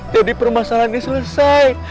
jadi permasalahannya selesai